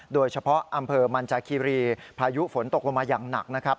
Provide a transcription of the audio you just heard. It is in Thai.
โดยเฉพาะอำเภอมันจากคีรีพายุฝนตกลงมาอย่างหนักนะครับ